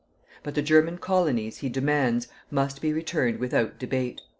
But the German colonies, he demands, must be returned without debate.